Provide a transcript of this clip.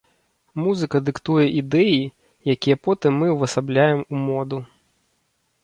Музыка дыктуе ідэі, якія потым мы ўвасабляем у моду.